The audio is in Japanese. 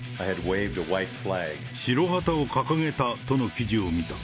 白旗を掲げたとの記事を見た。